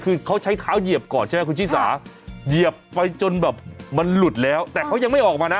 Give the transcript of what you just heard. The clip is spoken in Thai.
คือเขาใช้เท้าเหยียบก่อนใช่ไหมคุณชิสาเหยียบไปจนแบบมันหลุดแล้วแต่เขายังไม่ออกมานะ